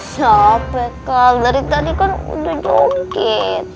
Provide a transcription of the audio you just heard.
sampai kali dari tadi kan udah joget